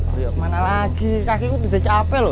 kemana lagi kakek kok udah capek lho